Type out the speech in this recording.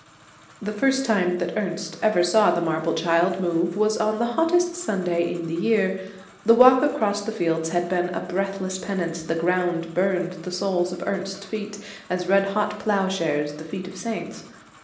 The first time that Ernest ever saw the marble child move was on the hottest Sunday in the year. The walk across the fields had been a breathless penance, the ground burned the soles of Ernest's feet as red hot ploughshares the feet of the saints.